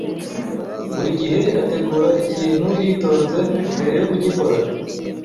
Buri gihe ategura ikintu yitonze mbere yo kugikora.